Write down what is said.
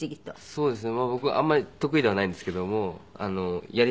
そうですね。